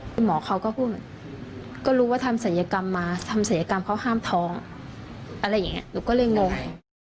คุณหมอเขาก็พูดเหมือนก็รู้ว่าทำศัยกรรมมาทำศัยกรรมเขาห้ามท้องอะไรอย่างนี้หนูก็เลยงง